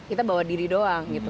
kita bawa diri doang gitu